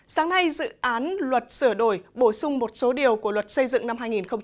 sáng nay dự án luật sửa đổi bổ sung một số điều của luật xây dựng năm hai nghìn một mươi ba